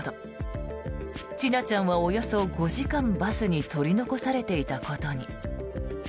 千奈ちゃんはおよそ５時間バスに取り残されていたことに。